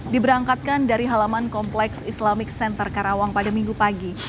diberangkatkan dari halaman kompleks islamic center karawang pada minggu pagi